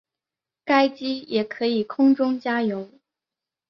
该机也可以空中加油。